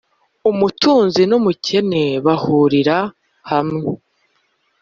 umutunzi n’umukene bahurira hamwe,